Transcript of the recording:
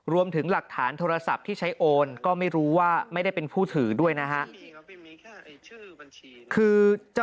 รวมถึงหลักฐานโทรศัพท์ที่ใช้โอนก็ไม่รู้ว่าไม่ได้เป็นผู้ถือด้วยนะฮะ